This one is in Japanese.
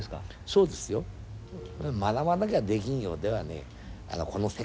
そうですよ。学ばなきゃできんようではねこの世界では生きていけない。